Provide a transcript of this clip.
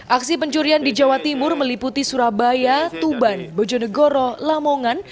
aksi pencurian di jawa timur meliputi surabaya tuban bojonegoro lamongan